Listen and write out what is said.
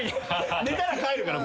寝たら帰るから。